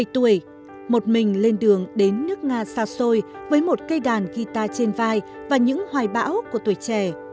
ba mươi tuổi một mình lên đường đến nước nga xa xôi với một cây đàn guitar trên vai và những hoài bão của tuổi trẻ